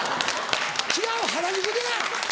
違う原宿でや！